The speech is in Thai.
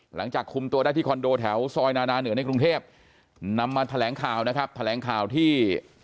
หลังจากคุมตัวได้ที่คอนโดที่